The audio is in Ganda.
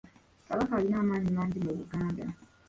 Kabaka alina amaanyi mangi mu Buganda.